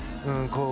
こう